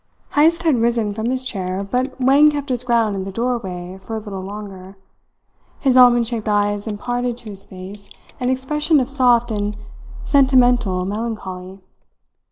Heyst had risen from his chair, but Wang kept his ground in the doorway for a little longer. His almond shaped eyes imparted to his face an expression of soft and sentimental melancholy.